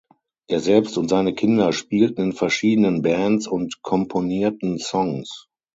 Er selbst und seine Kinder spielten in verschiedenen Bands und komponierten Songs.